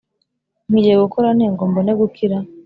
nkwiriye gukora nte, ngo mbone gukira?